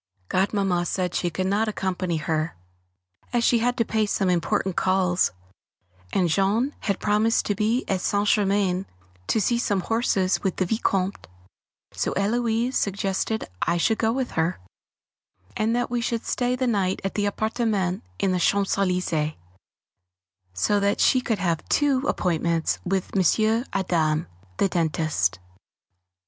Godmamma said she could not possibly accompany her, as she had to pay some important calls; and Jean had promised to be at St. Germain to see some horses with the Vicomte, so Héloise suggested I should go with her; and that we should stay the night at the appartement in the Champs Elysées, so that she could have two appointments with M. Adam, the dentist.